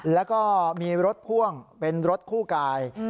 แล้วก็มีรถพ่วงเป็นรถคู่กาย